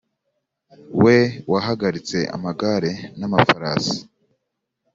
we wahagaritse amagare n’amafarasi,